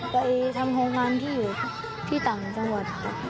ไปทำโครงการที่อยู่ที่ต่างจังหวัด